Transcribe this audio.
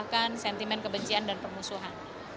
bahkan sentimen kebencian dan pemusuhan